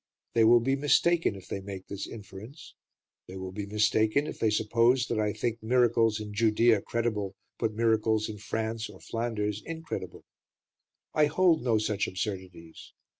They will be mistaken if they make this inference; they will be mistaken if they suppose that I think miracles in Judæa credible but miracles in France or Flanders incredible. I hold no such absurdities.